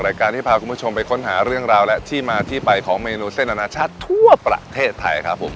รายการที่พาคุณผู้ชมไปค้นหาเรื่องราวและที่มาที่ไปของเมนูเส้นอนาชาติทั่วประเทศไทยครับผม